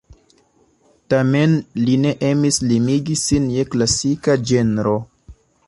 Tamen li ne emis limigi sin je klasika ĝenro.